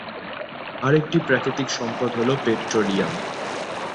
আরেকটি প্রাকৃতিক সম্পদ হলো পেট্রোলিয়াম।